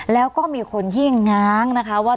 แล้วก็มีคนที่ง้างนะคะว่า